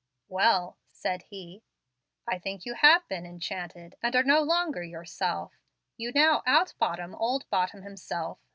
"Well," said he, "I think you have been 'enchanted, and are no longer yourself.' You now out Bottom old Bottom himself.